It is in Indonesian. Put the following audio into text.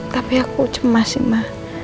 tapi aku cemas sih mah